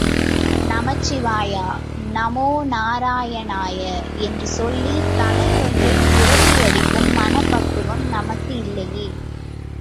நமச்சிவாயா, நமோ நாராயணாய என்று சொல்லி தலைவலியை விரட்டி அடிக்கும் மனப்பக்குவம் நமக்கு இல்லையே.